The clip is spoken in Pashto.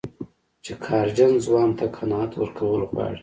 چې قهرجن ځوان ته قناعت ورکول غواړي.